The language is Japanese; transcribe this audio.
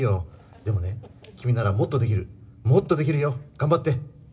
でもね、君ならもっとできる、もっとできるよ。頑張って！